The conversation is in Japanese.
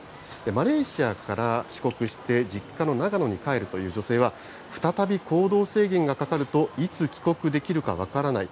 マレーシアから帰国して実家の長野に帰るという女性は、再び行動制限がかかると、いつ帰国できるか分からない。